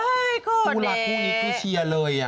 ชิคกี้พายก็แชร์เลย